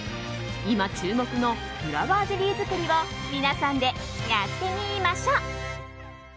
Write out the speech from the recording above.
今、注目のフラワーゼリー作りを皆さんでやってみましょう！